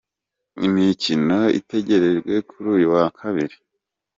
Imikino itegerejwe kuri uyu wa Kabiri.